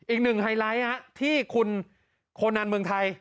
อีกหนึ่งไฮไลท์ที่คุณโคนันเมืองไทย